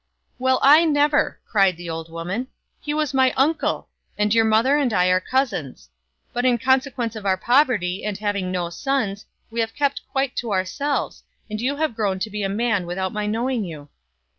"Well, I never!" cried the old woman, "he was my uncle, and your mother and I are cousins. But in consequence of our poverty, and having no sons, we have kept quite to our selves, and you have grown to be a man without my knowing you."